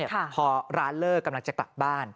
พอร้านเลิกกำลังจะกลับบ้าน